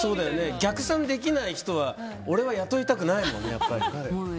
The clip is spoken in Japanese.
逆算できない人は俺は雇いたくないからね。